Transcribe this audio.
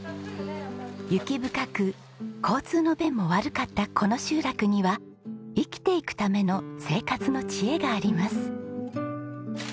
雪深く交通の便も悪かったこの集落には生きていくための生活の知恵があります。